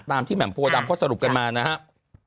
ตามที่แหม่มโภดำก็สรุปกันมานะครับ